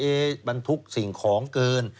เอ๊ะบันทุกข์สิ่งของเกิน